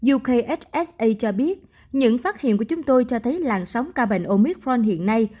ukhsa cho biết những phát hiện của chúng tôi cho thấy làn sóng ca bệnh omicron hiện nay